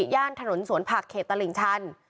ย่านถนนสวนผักเขตตลิ่งชัน